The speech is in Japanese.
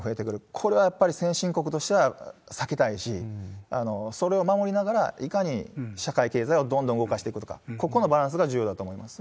これはやっぱり先進国としては避けたいし、それを守りながら、いかに社会経済をどんどん動かしていくとか、ここのバランスが重要だと思います。